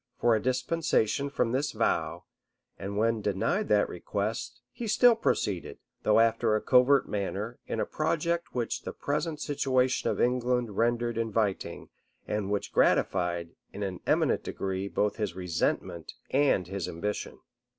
for a dispensation from this vow; and when denied that request, he still proceeded, though after a covert manner, in a project which the present situation of England rendered inviting, and which gratified, in an eminent degree, both his resentment and his ambition.